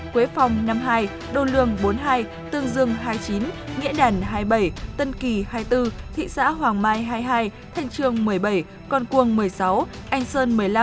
quế phòng năm mươi hai đô lương bốn mươi hai tương dương hai mươi chín nghĩa đàn hai mươi bảy tân kỳ hai mươi bốn thị xã hoàng mai hai mươi hai thanh trường một mươi bảy con cuông một mươi sáu anh sơn một mươi năm